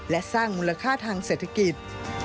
และสร้างมูลค่าทางเศรษฐกิจ